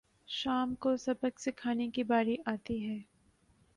شام کو سبق سکھانے کی باری آتی ہے